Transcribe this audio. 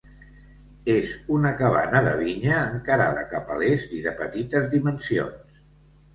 És una cabana de vinya encarada cap a l'est i de petites dimensions.